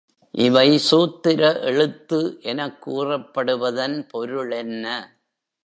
இவை சூத்திர எழுத்து எனக் கூறப்படுவதன் பொருளென்ன?